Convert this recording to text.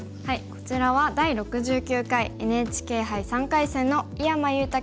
こちらは第６９回ＮＨＫ杯３回戦の井山裕太